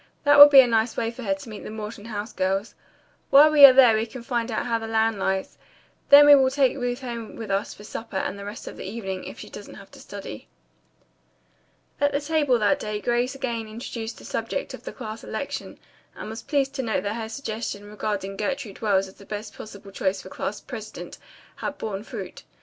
That will be a nice way for her to meet the Morton House girls. While we are there we can find out how the land lies. Then we will take Ruth home with us for supper and the rest of the evening, if she doesn't have to study." At the dinner table that day Grace again introduced the subject of the class election and was pleased to note that her suggestion regarding Gertrude Wells as the best possible choice for class president had borne fruit.